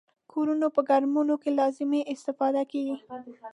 کورونو په ګرمولو کې لازمې استفادې کیږي.